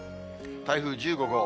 台風１５号。